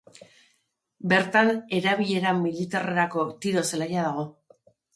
Bertan erabilera militarrerako tiro zelaia dago.